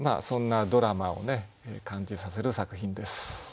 そんなドラマを感じさせる作品です。